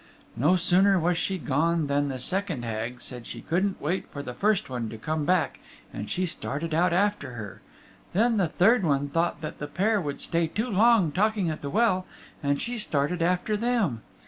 No sooner was she gone than the second Hag said she couldn't wait for the first one to come back and she started out after her. Then the third one thought that the pair would stay too long talking at the well, and she started after them.